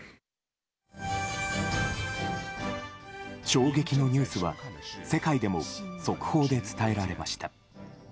衝撃のニュースは世界でも速報で伝えられました。